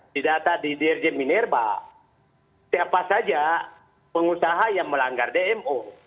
di data di drj minerba siapa saja pengusaha yang melanggar dmo